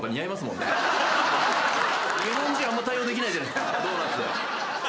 日本人あんま対応できないじゃないっすかドーナツ。